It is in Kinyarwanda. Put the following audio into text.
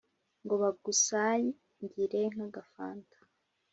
ngo bagusangire nk’agafanta.”